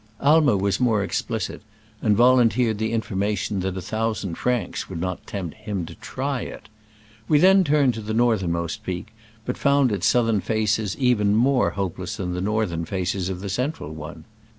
*' Aimer was more exphcit, and volunteer ed the \A in forma tioij'" that a thou ~ sand francs would not tempt him to try it, ^^'e then turned to the nonheinmost jieiik, but found its ioutht'in faces e V t! n more hopeless than the northern f^iccs of the central one.